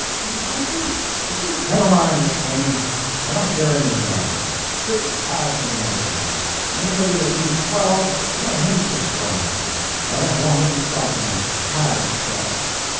It is like this. You see " "Never mind explaining, I don't care anything about it. Six Hads is enough for me; anybody that needs twelve, let him subscribe; I don't want any stock in a Had Trust.